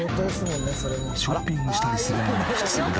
ショッピングしたりするのが普通だ。